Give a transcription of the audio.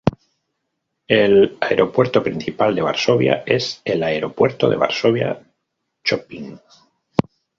El aeropuerto principal de Varsovia es el Aeropuerto de Varsovia-Chopin.